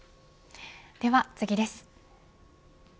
では次です。